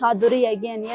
memakai cahduri lagi ya